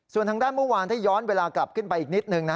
ส่วนทางด้านเมื่อวานถ้าย้อนเวลากลับขึ้นไปอีกนิดนึงนะ